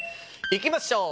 いきましょう。